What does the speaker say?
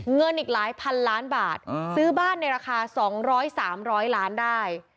เงินอีกหลายพันล้านบาทซื้อบ้านในราคา๒๐๐๓๐๐ล้านได้